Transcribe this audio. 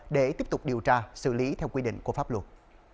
để tiếp tục điều tra xử lý theo quy định của pháp luật